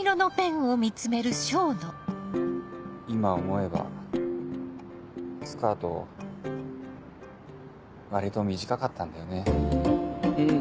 今思えばスカート割と短かったんだよねん？